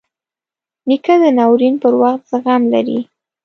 نیکه د ناورین پر وخت زغم لري.